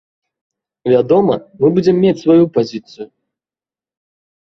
Вядома, мы будзем мець сваю пазіцыю.